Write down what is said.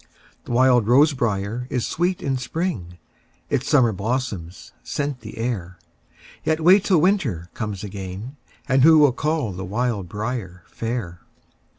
The wild rose briar is sweet in spring, Its summer blossoms scent the air; Yet wait till winter comes again, And who will call the wild briar fair?